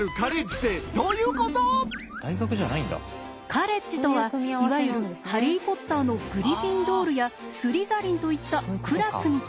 カレッジとはいわゆる「ハリー・ポッター」のグリフィンドールやスリザリンといったクラスみたいなもの。